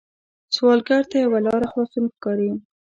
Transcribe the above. سوالګر ته یوه لاره خلاصون ښکاري